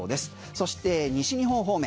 そして西日本方面。